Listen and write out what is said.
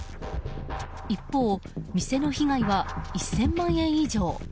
一方、店の被害は１０００万円以上。